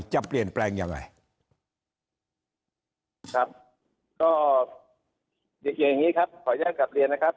มันจะเปลี่ยนแปลงยังไง